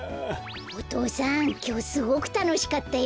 お父さんきょうすごくたのしかったよ。